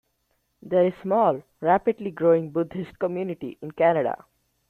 There is a small, rapidly growing Buddhist community in Canada.